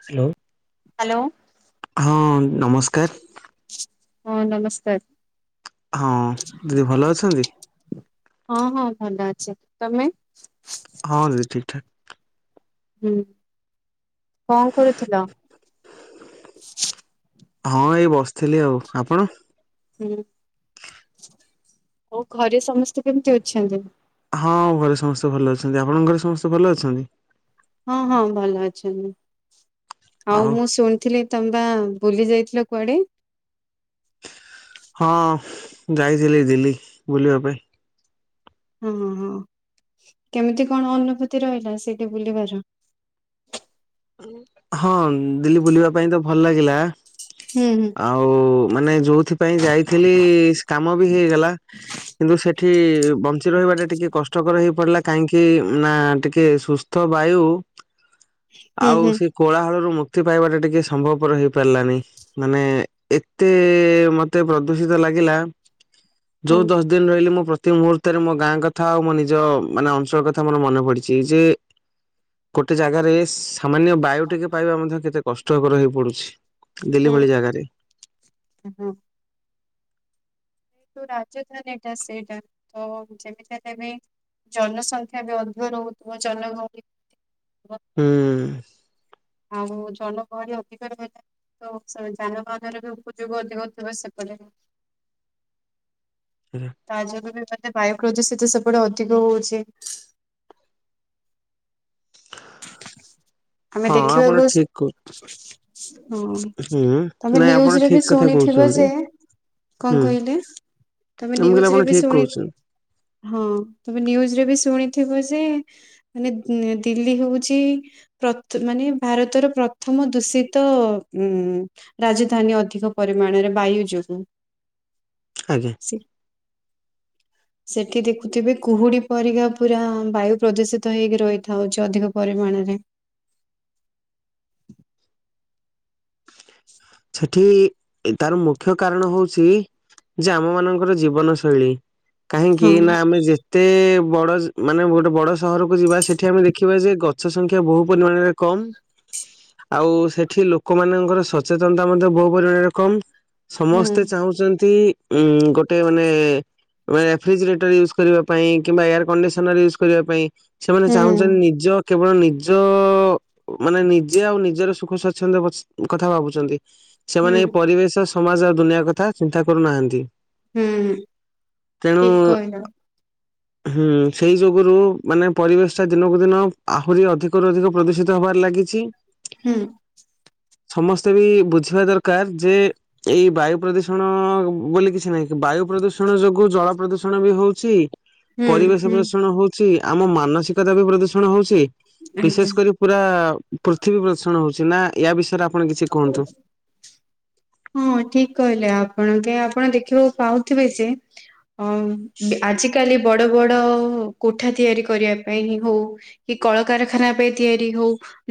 Hello. Hello. ହଁ ନମସ୍କାର। ହଁ ନମସ୍କାର। ହଁ ଦିଦି ଭଲ ଅଛନ୍ତି? ହଁ ହଁ ଭଲ ଅଛି। ତମେ? ହଁ ଦିଦି ଠିକ୍ ଠାକ୍। ହୁଁ କଣ କରୁଥିଲ? ହଁ, ଏଇ ବସିଥିଲି ଆଉ। ଆପଣ? ହୁଁ, ଆଉ ଘରେ ସମସ୍ତେ କେମିତି ଅଛନ୍ତି? ହଁ, ଘରେ ସମସ୍ତେ ଭଲ ଅଛନ୍ତି। ଆପଣଙ୍କ ଘରେ ସମସ୍ତେ ଭଲ ଅଛନ୍ତି? ହଁ ହଁ ଭଲ ଅଛନ୍ତି। ଆଉ ମୁଁ ଶୁଣିଥିଲି ତମେ ପା ବୁଲି ଯାଇଥିଲ କୁଆଡେ? ହଁ, ଯାଇଥିଲି ଦିଲ୍ଲୀ ବୁଲିବା ପାଇଁ। ହଁ ହଁ। କେମିତି କଣ ଅନୁଭୂତି ରହିଲା ସେଇଠି ବୁଲିବାର? ହଁ, ଦିଲ୍ଲୀ ବୁଲିବା ପାଇଁ ତ ଭଲ ଲାଗିଲା। ହୁଁ, ହୁଁ। ଆଉ, ମାନେ ଯୋଉଥିପାଇଁ ଯାଇଥିଲି ସେ କାମ ବି ହେଇଗଲା। କିନ୍ତୁ, ସେଠି ବଞ୍ଚ ରହିବା ଟା ଟିକେ କଷ୍ଟକର ହେଇ ପଡିଲା। କାହିଁକି ନା ଟିକେ ସୁସ୍ଥ ବାୟୁ ହୁଁ ଆଉ ହୁଁ ସେ କୋଳାହଳରୁ ମୁକ୍ତି ପାଇବାଟା ଟିକେ ସମ୍ଭବପର ହେଇପାରିଲାନି। ମାନେ ଏତେ ମତେ ପ୍ରଦୂଷିତ ଲାଗିଲା, ହଁ ଯୋଉ ଦଶ ଦିନ ରହିଲି ମୋ ପ୍ରତିମୁହୂର୍ତ୍ତରେ ମୋ ଗାଁ କଥା ଆଉ ମୋ ନିଜ ମାନେ ଅଞ୍ଚଳ କଥା ମୋର ମନେ ପଡିଚି। ଯେ ଗୋଟେ ଜାଗାରେ ସାମାନ୍ୟ ବାୟୁ ଟିକେ ପାଇବା ମଧ୍ୟ କେତେ କଷ୍ଟକର ହେଇପଡୁଛି। ଦିଲ୍ଲୀ ଭଳି ଜାଗାରେ। [unintelligible] ରାଜଧାନୀ ଏଟା ସେଇଟା ତ ଯେମିତି ହେଲେ ବି ଜନସଂଖ୍ୟା ବି ଅଧିକ ରହୁଥିବ। ଜନଗହଳି [unintelligible] ହୁଁ। ଆଉ ଜନଗହଳି ଅଧିକା ତ ଯାନବାହାନର ବି ଉପଯୋଗ ଅଧିକ ଥିବ ସେପଟେ। [inaudible] ତା ଯୋଗୁଁ ବି ବୋଧେ ବାୟୁ ପ୍ରଦୂଷିତ ସେପଟେ ଅଧିକ ହଉଚି। ଆମେ ହଁ ଆପଣ ଦେଖିବାକୁ ଠିକ କହୁ ହଁ, ହୁଁ ତମେ ନାଇଁ ଆପଣ ନିଉଜ ରେ ଠିକ ବି କଥା ଶୁଣିଥିବ କହୁଛନ୍ତି ଯେ ହୁଁ କଣ କହିଲେ ତମେ ମୁଁ କହିଲି ନିଉଜ ଆପଣ ରେ ବି ଠିକ ଶୁଣି କହୁଛନ୍ତି ହଁ, ତମେ ନିଉଜରେ ବି ଶୁଣିଥିବ ଯେ ମାନେ ଦି ଦିଲ୍ଲୀ ହଉଚି ପ ମାନେ ଭାରତର ପ୍ରଥମ ଦୂଷିତ ଉଁ ରାଜଧାନୀ ଅଧିକ ପରିମାଣରେ ବାୟୁ ଯୋଗୁ। ଆଜ୍ଞା। ସେ ସେଠି ଦେଖୁଥିବେ କୁହୁଡି ପରିକା ପୁରା ବାୟୁ ପ୍ରଦୂଷିତ ହେଇକି ରହିଥାଉଛି। ଅଧିକ ପରିମାଣରେ। ସେଠି, ତାର ମୁଖ୍ୟ କାରଣ ହଉଛି ଯେ ଆମ ମାନଙ୍କର ଜୀବନ ଶୈଳୀ। କାହିଁକି, ହଁ ନା ଆମେ ଯେତେ ବଡ ମାନେ ଗୋଟେ ବଡ ସହରକୁ ଯିବା ସେଠି ଆମେ ଦେଖିବା ଯେ ଗଛ ଗଛ ସଂଖ୍ୟା ବହୁ ପରିମାଣରେ କମ, ଆଉ ସେଠି ଲୋକମାନଙ୍କର ସଚେତନତା ମଧ୍ୟ ବହୁ ପରିମାଣ ରେ କମ, ହୁଁ ସମସ୍ତେ ଚାହୁଁଛନ୍ତି ଉଁ, ଗୋଟେ ମାନେ ରେଫ୍ରିଜିରେଟର ୟୁଜ୍ କରିବା ପାଇଁ କିମ୍ବା ଏୟାର କଣ୍ଡିସନର ୟୁଜ୍ କରିବା ପାଇଁ ସେମାନେ ହୁଁ ଚାହୁଁଛନ୍ତି ନିଜ କେବଳ ନିଜ ମାନେ ନିଜେ ଆଉ ନିଜର ସୁଖସଚ୍ଛନ୍ଦ କଥା ଭାବୁ ଭାବୁଛନ୍ତି, ହୁଁ ସେମାନେ ଏଇ ପରିବେଶ, ସମାଜ ଆଉ ଦୁନିଆ, କଥା ଚିନ୍ତା କରୁନାହାନ୍ତି। ହୁଁ, ତେଣୁ ଠିକ କହିଲ। ହୁଁ, ସେଇ ଯୋଗୁରୁ ମାନେ ପରିବେଶ ଟା ଦିନକୁ ଦିନ ଆହୁରି ଅଧିକରୁ ଅଧିକ ପ୍ରଦୂଷିତ ହବାରେ ଲାଗିଛି। ହୁଁ। ସମସ୍ତେ ବି ବୁଝିବା ଦରକାର ଯେ ଏଇ ବାୟୁ ପ୍ରଦୂଷଣ ବୋଲି କିଛି ନାହିଁ ବାୟୁ ପ୍ରଦୂଷଣ ଯୋଗୁ ଜଳ ପ୍ରଦୂଷଣ ବି ହଉଛି। ହୁଁ ପରିବେଶ ହୁଁ ପ୍ରଦୂଷଣ ହଉଛି ଆମ ମାନସିକତା ବି ପ୍ରଦୂଷଣ ହଉଛି ଆଜ୍ଞା ବିଶେଷ କରି ପୁରା ପୃଥିବୀ ପ୍ରଦୂଷଣ ହଉଛି ନା ୟା ବିଷୟରେ ଆପଣ କିଛି କୁହନ୍ତୁ? ହଁ ଠିକ କହିଲେ ଆପଣ କେ ଆପଣ ଦେଖିବାକୁ ପାଉଥିବେ ଯେ ଅ ଆଜିକାଲି ବଡ ବଡ କୋଠା ତିଆରି କରିବା ପାଇଁ ହିଁ ହଉ କି କଳକାରଖାନା ପାଇଁ ତିଆରି ହଉ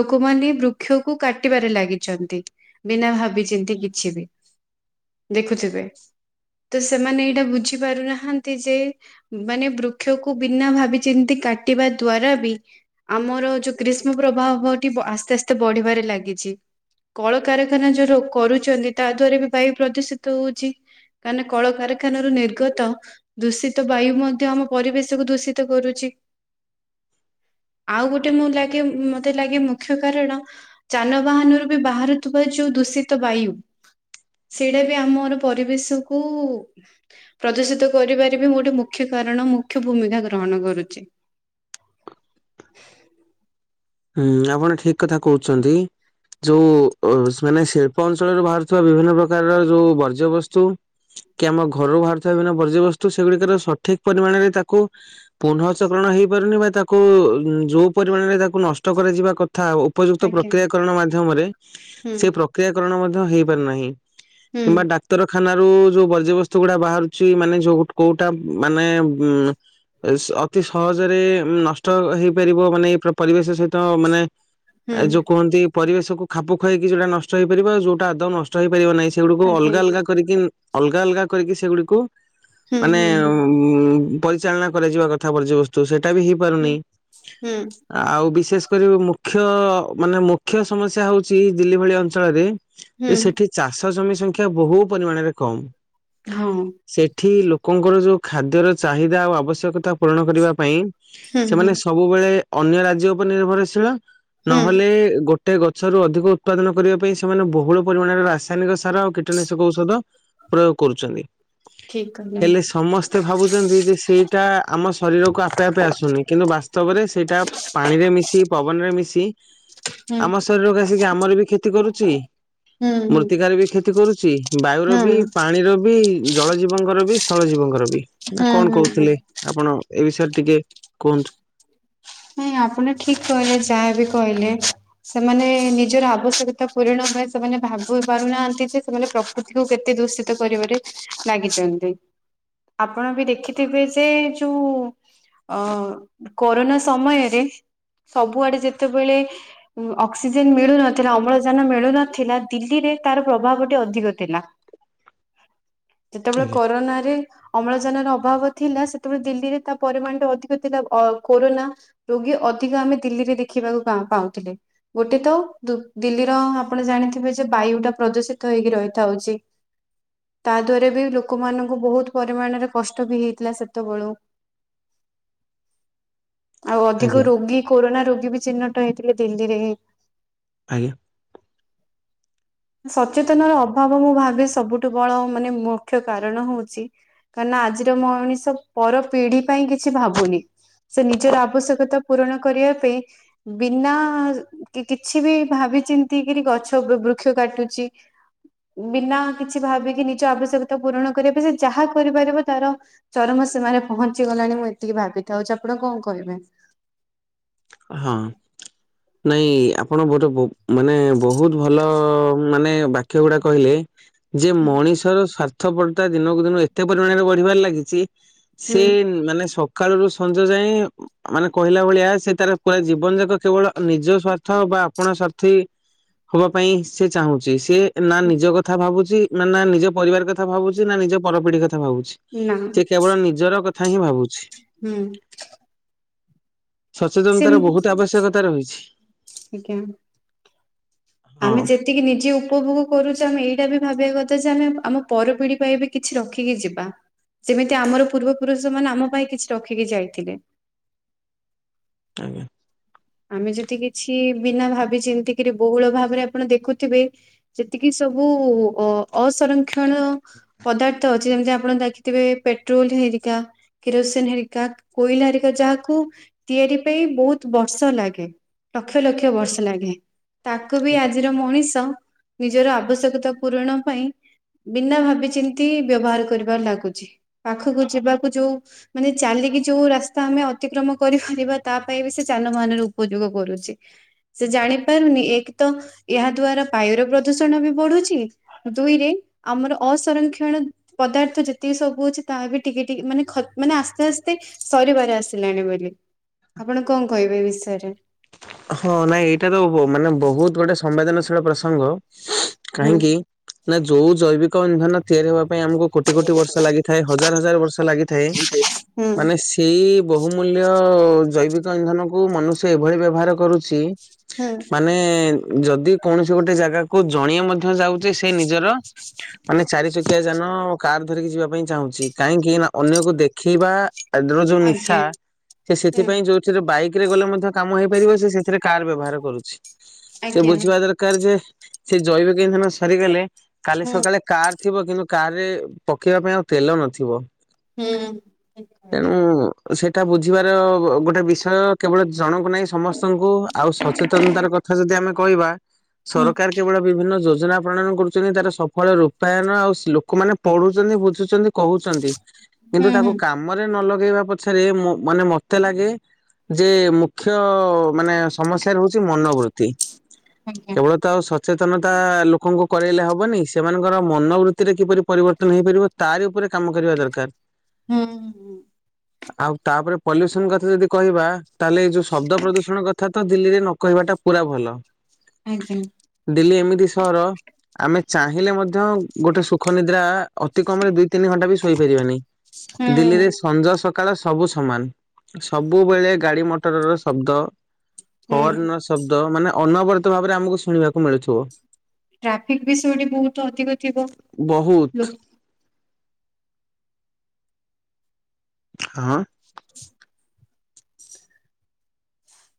ଲୋକମାନେ ବୃକ୍ଷ କୁ କାଟିବାରେ ଲାଗିଛନ୍ତି। ବିନା ଭାବି ଚିନ୍ତିକିଛି ବି ଦେଖୁଥିବେ। ତ ସେମାନେ ଏଇଟା ବୁଝି ପାରୁନାହାନ୍ତି ଯେ ମାନେ ବୃକ୍ଷକୁ ବିନା ଭାବି ଚିନ୍ତିକି କାଟିବା ଦ୍ଵାରା ବି ଆମର ଯୋଉ ଗ୍ରୀଷ୍ମ ପ୍ରବାହ ହଉଥିବ ଆସ୍ତେ ଆସ୍ତେ ବଢିବାରେ ଲାଗିଛି। କଳକାରାରଖାନା ଯୋଉ ର କରୁଛନ୍ତି ତା ଦ୍ଵାରା ବି ବାୟୁ ପ୍ରଦୂଷିତ ହଉଛି। କାରଣ କଳକାରଖାନା ରୁ ନିର୍ଗତ ଦୂଷିତ ବାୟୁ ମଧ୍ୟ ଆମ ପରିବେଶକୁ ଦୂଷିତ କରୁଛି। ଆଉ ଗୋଟେ ମୁଁ ଲାଗେ, ମତେ ଲାଗେ ମୁଖ୍ୟ କାରଣ ଯାନବାହାନରୁ ବି ବାହାରୁଥିବା ଯୋଉ ଦୂଷିତ ବାୟୁ। ସେଇଟା ବି ଆମର ପରିବେଶ କୁ ପ୍ରଦୂଷିତ କରିବାର ବି ଗୋଟେ ମୁଖ୍ୟ କାରଣ, ମୁଖ୍ୟ ଭୂମିକା ଗ୍ରହଣ କରୁଛି। ହୁଁ ଆପଣ ଠିକ କଥା କହୁଛନ୍ତି। ଯୋଉ ମାନେ ଶିଳ୍ପ ଅଞ୍ଚଳରୁ ବାହାରୁଥିବା ବିଭିନ୍ନ ପ୍ରକାରର ଯୋଉ ବର୍ଜ୍ୟବସ୍ତୁ। କି ଆମ ଘରୁ ବାହାରୁଥିବା ବିଭିନ୍ନ ବର୍ଜ୍ୟ ବସ୍ତୁ ସେଗୁଡିକର ସଠିକ ପରିମାଣରେ ତାକୁ ପୁନଃଚକଣ ହେଇପାରୁନି ବା ତାକୁ ଯୋଉ ପରିମାଣରେ ତାକୁ ନଷ୍ଟ କରାଯିବା କଥା ଉପଯୁକ୍ତ ଆଜ୍ଞା। ପ୍ରକ୍ରିୟାକରଣ ମାଧ୍ୟମରେ ହୁଁ ସେ ପ୍ରକ୍ ପ୍ରକ୍ରିୟାକରଣ ମଧ୍ୟ ହେଇପାରୁନାହିଁ ହୁଁ କିମ୍ବା ଉତ୍ତରଖାନ ରାରୁ ଯୋଉ ବର୍ଜ୍ୟବସ୍ତୁ ଗୁଡା ବାହାରୁଛି ମାନେ ଯୋଉ କୋଉଟା ମାନେ ଉ ଅତି ସହଜରେ ନଷ୍ଟ ହେଇପାରିବ ମାନେ ଏଇ ପରିବେଶ ସହି ତ ମାନେ ହୁଁ ଏ ଯୋଉ କୁହନ୍ତି ପରିବେଶକୁ ଖାପୁ ଖୁଆଇକି ଯୋଉଟା ନଷ୍ଟ ହେଇପାରିବ ଯଉଟା ଆଦୌ ନଷ୍ଟ ହେଇପାରିବ ନାହିଁ ସେଗୁଡକୁ ଆଜ୍ଞା ଅଲଗା ଅଲଗା କରିକି ଅଲଗା ଅଲଗା କରିକି ସେଗୁଡିକୁ ହୁଁ ମାନେ ହୁଁ ହୁଁ ଉଁ ପରିଚାଳନା କରାଯିବା କଥା ପର୍ଯ୍ୟ ବସ୍ତୁ ସେଇଟା ବି ହୁଁ ହେଇପାରୁନି। ହୁଁ। ଆଉ ବିଶେଷ କରି ମୁଖ୍ୟ ମାନେ ମୁଖ୍ୟ ସମସ୍ୟା ହଉଛି ଦିଲ୍ଲୀ ଭଳି ଅଞ୍ଚଳରେ ଯେ ସେଠି ଚାଷ ଜମି ସଂଖ୍ୟା ବହୁ ପରିମାଣରେ କମ୍। ହଁ। ସେଠି ଲୋକଙ୍କର ଯୋଉ ଖାଦ୍ୟର ଚାହିଦା ଆଉ ଆବଶ୍ୟକତା ପୂରଣ କରିବା ପାଇଁ ହୁଁ ସେମାନେ ହୁଁ ସବୁବେଳେ ଅନ୍ୟ ରାଜ୍ୟ ଉପରେ ନିର୍ଭରଶୀଳ ହୁଁ। ନହେଲେ ଗୋ ଟେ ଗଛରୁ ଅଧିକ ଉତ୍ପାଦନ କରିବା ପାଇଁ ସେମାନେ ବୋହୁଳ ପରିମାଣରେ ରାସାୟନିକ ସାର କୀଟନାଶକ ଔଷଧ ପ୍ରୟୋଗ କରୁଚନ୍ତି ଠିକ୍ କହିଲେ। ହେଲେ ସମ ସ୍ତେ ଭାବୁଚନ୍ତି ଯେ ସେଇଟା ଆମ ଶରୀରକୁ ଆପେ ଆପେ ଆସୁନି କିନ୍ତୁ ବାସ୍ତବରେ ସେଇଟା ପାଣିରେ ମିଶି ପବନରେ ମିଶି ହୁଁ ଆମ ଶରୀରକୁ ଆସିକି ଆମର ବି କ୍ଷତି କରୁଚି। ହୁଁ ହୁଁ। ମୂର୍ତ୍ତିକାର ବି କ୍ଷତି କରୁଚି। ବାୟୁର ବି ହୁଁ ପାଣିର ବି ଜଳ ଜୀବଙ୍କର ବି ସ୍ଥଳ ଜୀବଙ୍କର ବି ନା କଣ ହୁଁ ହୁଁ କୋହୁଥିଲେ। ଆପଣ ଏ ବିଷୟରେ ଟିକେ କୁହନ୍ତୁ। ହୁଁ ଆପଣ ଠିକ୍ କହିଲେ ଯାହାବି କହିଲେ। ସେମାନେ ନିଜର ଆବଶ୍ୟକତା ପୂରଣ ପାଇଁ ସେମାନେ ଭାବି ପାରୁନାହାନ୍ତି ଯେ ସେମାନେ ପୃଥିବିକୁ କେତେ ଦୂଷିତ କରିବାରେ ଲାଗିଚନ୍ତି। ଆପଣ ବି ଦେଖିଥିବେ ଯେ ଯୋଉ ଅ କରୋନା ସମୟରେ ସବୁଆଡେ ଯେତେବେଳେ ଉ ଅକ୍ସିଜେନ ମିଳୁନଥିଲା ଅମ୍ଳଜାନ ମିଳୁନଥିଲା ଦିଲ୍ଲୀରେ ତାର ପ୍ରଭାବ ଟିକେ ଅଧିକ ଥିଲା। ଯେତେବେଳେ ଆଜ୍ଞା କରୋନାରେ ଅମ୍ଳଜାନର ଅଭାବ ଥିଲା। ସେତେବେଳେ ଦିଲ୍ଲୀରେ ତା ପରିମାଣ ଟିକେ ଅଧିକ ଥିଲା ଅ କୋରୋନା। ରୋଗୀ ଅଧିକ ଆମେ ଦିଲ୍ଲୀରେ ଦେଖିବାକୁ ପାଁ- ପାଁଉଥିଲେ। ଗୋଟେ ତ ଦୁ-ଦିଲ୍ଲୀର ଆପଣ ଜାଣିଥିବେ ଯେ ବାୟୁ ଟା ପ୍ରଯୋଷିତ ହେଇକି ରହିଥାଉଚି। ତା ଦ୍ଵାରା ବି ଲୋକମାନଙ୍କୁ ବୋହୁତ ପରିମାଣରେ କଷ୍ଟ ବି ହେଇଥିଲା ସେତେବେଳୁ। ଆଉ ଅଧିକ ଆଜ୍ଞା ରୋଗୀ କୋରୋନା ରୋଗୀ ବି ଚିହ୍ନଟ ହେଇଥିଲେ ଦିଲ୍ଲୀରେ। ଆଜ୍ଞା। ସଚେତନ ର ଅଭାବ ମୁଁ ଭାବେ ସବୁଠୁ ବଡ ମାନେ ମୁଖ୍ୟ କାରଣ ହୋଉଚି। କା ନା ଆଜିର ମଣିଷ ପର ପିଢି ପାଇଁ କିଛି ଭାବୁନି। ସେ ନିଜର ଆବଶ୍ୟକତା ପୂରଣ କରିବା ପାଇଁ ବିନା କିଛିବି ଭାବି ଚିନ୍ତିକିରି ଗଛ ବୃ-ବୃ କ୍ଷ କାଟୁଚି। ବିନା କିଛି ଭାବିକି ନିଜ ଆବଶ୍ୟକତା ପୂରଣ କରିବା ପାଇଁ ସେ ଯାହା କରିପାରିବ ତାର ଚରମ ସୀମାରେ ପହଞ୍ଚି ଗଲାଣି। ମୁଁ ଏତିକି ଭାବିଥାଉଚି। ଆପଣ କଣ କହିବେ? ହଁ ନାଇଁ ଆପଣ ଗୋଟେ ବୋ ମାନେ ବୋହୁତ ଭଲ ମାନେ ବାକ୍ୟ ଗୁଡା କହିଲେ। ଯେ ହୁଁ ମଣିଷର ସ୍ୱା ର୍ଥ ପରତା ଦିନକୁ ଦିନ ଏତେ ପରିମାଣରେ ବଢିବାରେ ଲାଗିଚି। ସେ ହୁଁ ମାନେ ସଖାଳରୁ ସଞ୍ଜ ଯାଇଁ ମାନେ କହିଲା ଭଳିଆ ତାର ପୁରା ଜୀବନ ଯାକ କେବଳ ଆ ନିଜ ସ୍ୱାର୍ଥ ବା ଆପଣା ସ୍ୱାର୍ଥୀ ହବା ପାଇଁ ସେ ଚାହୁଁଚି। ସେ ନାଁ ନିଜ କଥା ଭାବୁଚି, ନାଁ ନାଁ ନିଜ ପରିବାର କଥା ଭାବୁଚି, ନାଁ ନିଜ ପରପିଢି କଥା ଭାବୁଚି। ନା ସେ କେବଳ ନିଜର କଥା ହିଁ ଭାବୁଛି। ହୁଁ। ସଚେତନତାର ସେ ବୋହୁତ ଆବଶ୍ୟକତା ରହିଛି। ଆଜ୍ଞା। ହଁ ଆମେ ଯେ ତିକି ନିଜେ ଉପଭୋଗ କରୁଚେ। ଆମେ ଏଇଟା ବି ଭାବିବା କଥା ଯେ, ଆମେ ଆମ ପରପିଢି ପାଇଁ ବି କିଛି ରଖିକି ଯିବା। ଯେମିତି ଆମର ପୂର୍ବପୁରୁଷ ମାନେ ଆମ ପାଇଁ କିଛି ରଖିକି ଯାଇଥିଲେ। ଆଜ୍ଞା। ଆମେ ଯଦି କିଛି ବିନା ଭାବି ଚିନ୍ତିକିରି ବୋହୁଳ ଭାବରେ ଆପଣ ଦେଖୁଥିବେ ସେତିକି ସବୁ ଅ-ଅସରକ୍ଷଣ ପଦାର୍ଥ ଅ ଛି। ଯେମିତି ଆପଣ ଦେଖିଥିବେ ପେଟ୍ରୋଲ ହେରିକା। କିରୋସିନ ହେରିକା, କୋଇଲା ହେରିକା ଯାହାକୁୁ ତିଆରି ପାଇଁ ବହୁତ ବ ର୍ଷ ଲାଗେ ଲକ୍ଷ, ଲକ୍ଷ ବର୍ଷ ଲାଗେ। ତାକୁ ବି ଆଜି ଯୋଉ ମଣିଷ ନିଜର ଆବଶ୍ୟକତା ପୂରଣ ପାଇଁ ବିନା ଭାବି, ଚିନ୍ତି ବ୍ୟବହାର କରିବାରେ ଲାଗୁଛି। ପାଖକୁ ଯିବାକୁ ଯୋଉ ମାନେ ଚାଲିକି ଯୋଉ ରାସ୍ତା ଆମେ ଅତିକ୍ରମ କରିପାରିବା, ତା ପାଇଁ ବି ସେ ଯାନବାହନ ର ଉପଯୋଗ କରୁଛି। ସେ ଜାଣି ପାରୁନି ଏକ ତ ଏହା ଦ୍ଵାରା ବାୟୁର ପ୍ରଦୂଷଣ ବି ବଢୁଛି। ଦୁଇରେ ଆମର ଅସଂରକ୍ଷଣ ପଦାର୍ଥ ଯେତିକି ସବୁ ଅଛି ତାହା ବି ଟିକେ, ଟିକେ ମାନେ ଖ ମାନେ ଆସ୍ତେ, ଆସ୍ତେ ସରିବାରେ ଆସିଲାଣି ବୋଲି। ଆପଣ କଣ କହିବେ ଏ ବିଷୟର? ହଁ, ନାଇଁ ଏଇଟା ତ ବ ମାନେ ବହୁତ ଗୋଟେ ସମ୍ବେଦନଶୀଳ ପ୍ରସଙ୍ଗ ହୁଁ କାହିଁକି? ନା ଯୋଉ ଜୈବିକ ଇନ୍ଧନ ତିଆରି ହେବା ପାଇଁ ଆମକୁ କୋଟି, କୋଟି ବର୍ଷ ଲାଗିଥାଏ ହଜାର, ହଜାର ବର୍ଷ ଲାଗିଥାଏ। ହୁଁ ମାନେ ସେଇ ବହୁମୂଲ୍ୟ ଜୈବିକ ଇନ୍ଧନକୁ ମନୁଷ୍ୟ ଏଭଳି ବ୍ୟବହାର କରୁଛି। ହୁଁ। ମାନେ ଯଦି କୌଣସି ଗୋଟେ ଜାଗାକୁ ଜଣେ ମଧ୍ୟ ଯାଉ ସେ ନିଜର, ମାନେ ଚାରି ଚକି ଚକିଆ ଯାନ କାର ଧରିକି ଯିବା ପାଇଁ ଚାହୁଁଛି। କାହିଁକି ନା ଅନ୍ୟକୁ ଦେଖେଇବା ଆରେ ଯୋ ଯୋଉ ନିଶା ଆଜ୍ଞା ସେ ସେଥିପାଇଁ ହୁଁ ଯୋଉଥିରେ ବାଇକରେ ଗଲେ ମଧ୍ୟ କାମ ହେଇପାରିବ। ସେ ସେ କାର ବ୍ୟବହାର କରୁଛି, ସେ ଆଜ୍ଞା ବୁଝିବା ଦର କାର ଯେ ସେ ଜୈବିକ ଇନ୍ଧନ ସରିଗଲେ, କାଲି ହୁଁ ସକାଳେ କାର୍ ଥିବ କିନ୍ତୁ କାର୍ ରେ ପକେଇବା ପାଇଁ ଆଉ ତେଲ ନଥିବ। ହୁଁ। ହୁଁ ଏଣୁ-ଉ ଓ ସେଇଟା ବୁଝିବାର ଗୋ- ଗୋଟେ ବିଷୟ କେବଳ ଜଣଙ୍କୁ ନାହିଁ ସମ ସମସ୍ତଙ୍କୁ ଆଉ ସଚେତନତାର କଥା ଯଦି ଆମେ କହିବା ସରକାର କେବଳ ବିଭିନ୍ନ ଯୋଜନା ପ୍ରଣୟନ କରୁଛନ୍ତି ତାର ସଫଳ ରୂପାୟନ ଆଉ ସ ଲୋକମାନେ ପଢୁଛନ୍ତି ବୁଝୁଛନ୍ତି। କହୁଛନ୍ତି କିନ୍ତୁ ହୁଁ ତାକୁ ହୁଁ କାମରେ ନ ଲଗେଇବା ପଯ ଛରେ ମ ମାନେ ମତେ ଲାଗେ ଯେ ମୁଖ୍ୟ ମାନେ ସମସ୍ୟାର ହଉଛି ମନୋବୃତ୍ତି ଆଜ୍ଞା। କେବଳ ତ ସଚେତନତା ଲୋକଙ୍କୁ କରାଇଲେ ହବନି ସେମାନଙ୍କର ମନୋବୃତ୍ତିରେ କିପରି ପରିବର୍ତ୍ତନ ହେଇପାରିବ। ତାରି ଉପରେ କାମ କରିବା ଦରକାର। ହୁଁ ହୁ ଆଉ ତାପରେ ପଲ୍ୟୁସନ କଥା ଯଦି କହିବା ତାହେଲେ ଏଇ ଯୋଉ ଶବ୍ଦ ପ୍ରଦୂଷଣ କଥା ତ ଦିଲ୍ଲୀରେ ନକହିବା ଟା ପୁରା ଭଲ। ଆଜ୍ଞା ଦିଲ୍ଲୀ ଏମିତି ସହର ଆମେ ଚାହିଁଲେ ମଧ୍ୟ ଗୋଟେ ସୁଖ ନିଦ୍ରା ଅତି କମ୍ ରେ ଦୁଇ ତିନି ଘଣ୍ଟା ବି ଶୋଇପାରିବାନି ଦିଲ୍ଲୀରେ ହୁଁ ସଞ୍ଜ ସକା କାଳ ସବୁ ସମାନ ସବୁବେଳେ ଗାଡି ମଟରର ଶବ୍ଦ ହୁଁ ହର୍ନ ର ଶବ୍ଦ ମାନେ ଅନାବରତ ଭାବରେ ଆମକୁ ଶୁଣିବାକୁ ମିଳୁଥିବ। ଟ୍ରାଫିକ ବି ସେଇଠି ବହୁତ ଅଧିକ ଥିବ ବହୁତ ଲୋକ୍ ହଁ-ଅ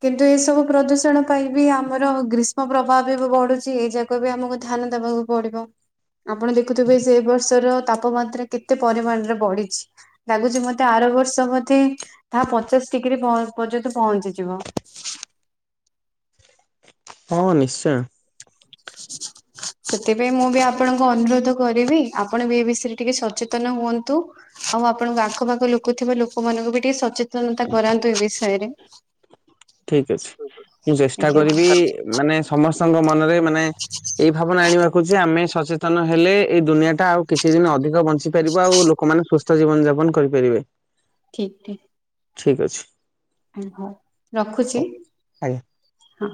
କିନ୍ତୁ ଏସବୁ ପ୍ରଦୂଷଣ ପାଇଁ ବି ଆମର ଗ୍ରୀଷ୍ ଗ୍ରୀଷ୍ମ ପ୍ରଭାବ ବି ଏବେ ବଢୁଛି ଏଇ ଯାକ ବି ଆମକୁ ଧ୍ୟାନ ଦବାକୁ ପଡିବ। ଆପଣ ଦେଖୁଥିବେ ଯେ ଏ ବର୍ଷର ତାପମାତ୍ରା କେତେ ପରିମାଣରେ ବଢିଛି। ଲାଗୁଛି ମତେ ଆର ବର୍ଷ ବୋଧେ ତାହା ପଚାଶ ଡିଗ୍ରୀ ପ- ପର୍ଯ୍ୟନ୍ତ ପହଞ୍ଚିଯିବ। [inaudible] ହଁ ନିଶ୍ଚୟ ସେଥିପାଇଁ ମୁଁ ବି ଆପଣଙ୍କୁ ଅନୁରୋଧ କରିବି। ଆପଣ ବି ଏ ବିଷୟରେ ଟିକେ ସଚେତନ ହୁଅନ୍ତୁ। ଆଉ ଆପଣଙ୍କ ଆଖ ପାଖ ଲୋକଥିବା ଲୋକମାନଙ୍କୁ ବି ଟିକେ ସଚେତନତା କରାନ୍ତୁ ଏ ବିଷୟରେ ଠିକ ଅଛି, ମୁଁ ଚେଷ୍ଟା କରିବି ମାନେ ସମସ୍ତଙ୍କ ମନରେ ମାନେ ଏଇ ଭାବନା ଆଣିବାକୁ ଯେ ଆମେ ସଚେତନ ହେଲେ ଏଇ ଦୁନିଆ ଟା ଆଉ କିଛି ଦିନ ଅଧିକ ବଞ୍ଚ ଚି ପାରିବ ଆଉ ଲୋକମାନେ ସୁସ୍ଥ ଜୀବନ ଯାପନ କରିପାରିବେ। ଠିକ୍ ଠିକ୍। ଠିକ୍ ଅଛି। ଆରେ ହୋ ରଖୁଛି ଆଜ୍ଞା। ହଁ।